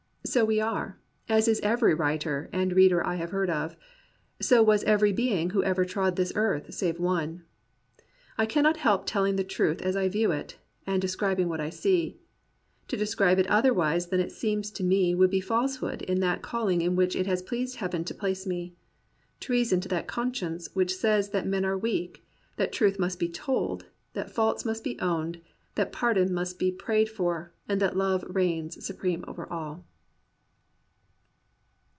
So we are, as is every writer and reader I have heard of; so was every being who ever trod this earthy save One. I cannot help telling the truth as I view it, and describing what I see. To describe it otherwise than it seems to me would be falsehood in that calling in which it has pleased Heaven to place me; treason to that conscience which says that men are weak; that truth must be told; that faults must be owned; that pardon must be prayed for; and that Love reigns supreme over all."